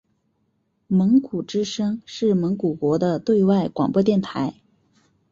蒙古之声是蒙古国的对外广播电台。